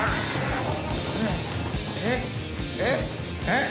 えっ？